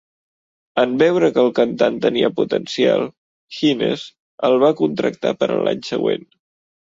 En veure que el cantant tenia potencial, Hines el va contractar per a l'any següent.